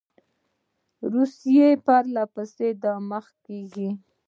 روسیه پر له پسې را دمخه کیږي.